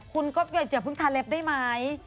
คุณก็อย่าเพิ่งทาเล็บได้ไหม